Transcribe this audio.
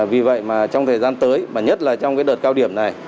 vì vậy mà trong thời gian tới mà nhất là trong cái đợt cao điểm này